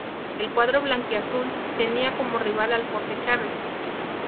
El cuadro blanquiazul tenía como rival al Jorge Chávez.